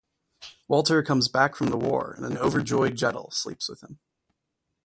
Walter comes back from the war and an overjoyed Jettel sleeps with him.